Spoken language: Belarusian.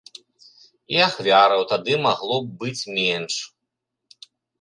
І ахвяраў тады магло б быць менш.